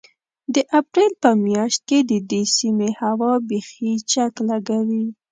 د اپرېل په مياشت کې د دې سيمې هوا بيخي چک لګوي.